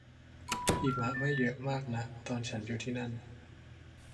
หิมะไม่เยอะมากนะตอนฉันอยู่ที่นั่น